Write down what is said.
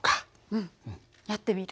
うんやってみる。